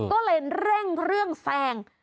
ก็เลยเร่งเรื่องแซง